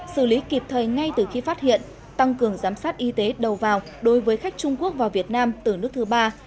xử lý kịp thời ngay từ khi phát hiện tăng cường giám sát y tế đầu vào đối với khách trung quốc và việt nam từ nước thứ ba